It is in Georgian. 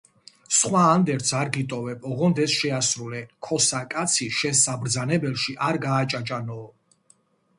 სხვა ანდერძს არ გიტოვებ, ოღონც ეს შეასრულე: ქოსა კაცი შენს საბრძანებელში არ გააჭაჭანოო!